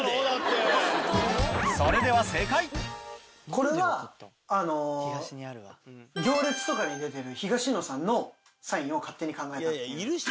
これは『行列』とかに出てる東野さんのサインを勝手に考えた。